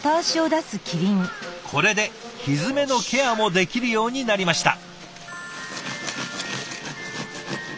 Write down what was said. これでひづめのケアもできるようになりました。